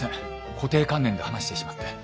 固定観念で話してしまって。